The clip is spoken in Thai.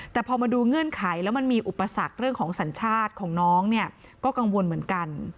แต่พอมาดูเงื่อนไขแล้วมันมีอุปสรรคเรื่องของสัญชาติของน้องเนี่ยก็กังวลเหมือนกัน